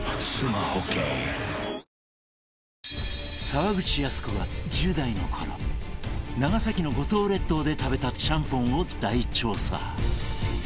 沢口靖子が１０代の頃長崎の五島列島で食べたちゃんぽんを大調査